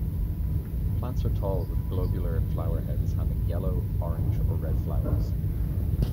Plants are tall with globular flower heads having yellow, orange, or red flowers.